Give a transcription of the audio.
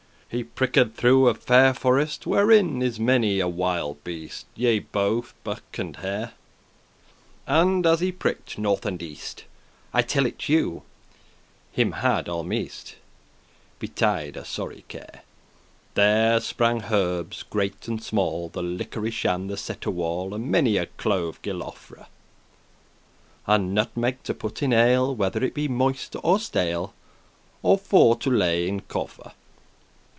He pricked through a fair forest, Wherein is many a wilde beast, Yea, bothe buck and hare; And as he pricked north and east, I tell it you, him had almest *almost Betid* a sorry care. *befallen There sprange herbes great and small, The liquorice and the setewall,* *valerian And many a clove gilofre, <12> And nutemeg to put in ale, Whether it be moist* or stale, *new Or for to lay in coffer.